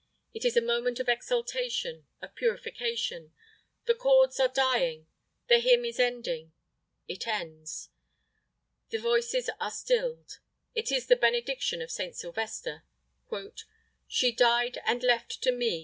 It is a moment of exaltation, of purification. The chords are dying; the hymn is ending; it ends. The voices are stilled. It is the benediction of Saint Sylvester: "She died and left to me